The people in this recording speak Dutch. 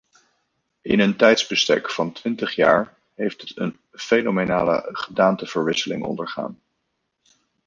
In een tijdsbestek van twintig jaar heeft het een fenomenale gedaanteverwisseling ondergaan.